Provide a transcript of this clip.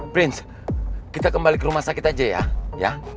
prince kita kembali ke rumah sakit aja ya